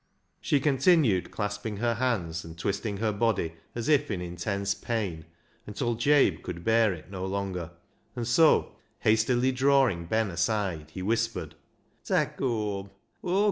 She continued clasping her hands and twisting her body as if in intense pain, until Jabe could bear it no longer, and so, hastily drawing Ben aside, he whispered — "Tak' her whoam.